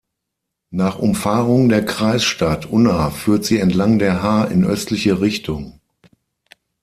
Nach Umfahrung der Kreisstadt Unna führt sie entlang der Haar in östliche Richtung.